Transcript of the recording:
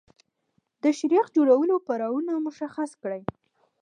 د شیریخ جوړولو پړاوونه مشخص کړئ.